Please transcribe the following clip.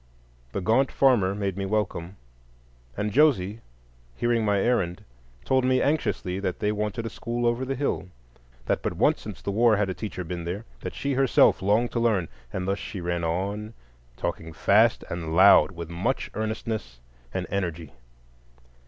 The gaunt farmer made me welcome, and Josie, hearing my errand, told me anxiously that they wanted a school over the hill; that but once since the war had a teacher been there; that she herself longed to learn,—and thus she ran on, talking fast and loud, with much earnestness and energy.